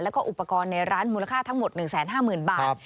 แล้วก็อุปกรณ์ในร้านมูลค่าทั้งหมด๑๕๐๐๐บาท